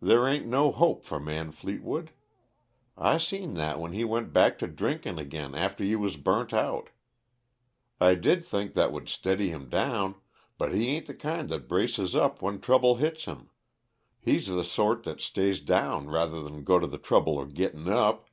There ain't no hope for Man Fleetwood; I seen that when he went back to drinkin' again after you was burnt out. I did think that would steady him down, but he ain't the kind that braces up when trouble hits him he's the sort that stays down ruther than go to the trouble of gittin' up.